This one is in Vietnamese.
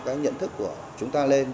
cái nhận thức của chúng ta lên